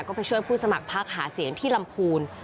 ก็ไปช่วยผู้สมัครพักหาเสียงที่ลำพูน